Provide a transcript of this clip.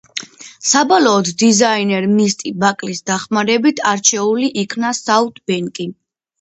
საბოლოოდ დიზაინერ მისტი ბაკლის დახმარებით არჩეული იქნა საუთ ბენკი.